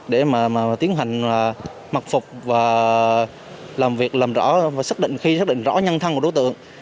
để mà tiến hành mật phục và làm việc làm rõ và xác định khi xác định rõ nhân thân của đối tượng